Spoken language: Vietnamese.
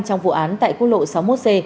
trong vụ án tại quốc lộ sáu mươi một c